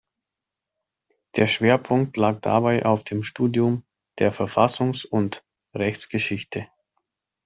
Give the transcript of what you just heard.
Der Schwerpunkt lag dabei auf dem Studium der Verfassungs- und Rechtsgeschichte.